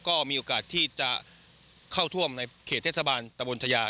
ก็มีโอกาสที่จะเข้าท่วมในเขตเทศบาลตะบนชายา